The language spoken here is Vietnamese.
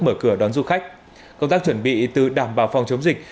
mở cửa đón du khách công tác chuẩn bị từ đảm bảo phòng chống dịch